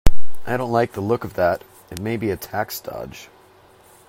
I don't like the look of that. It may be be a tax dodge.